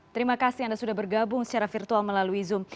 terima kasih anda sudah bergabung secara virtual melalui zoom